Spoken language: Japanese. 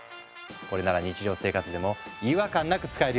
これなら日常生活でも違和感なく使えるよね。